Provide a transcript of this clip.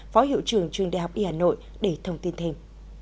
phó hiệu trưởng trường đại học y hà nội để thông tin thêm